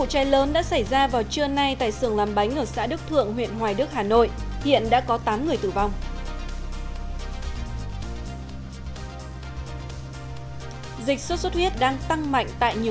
hãy đăng ký kênh để ủng hộ kênh của chúng mình nhé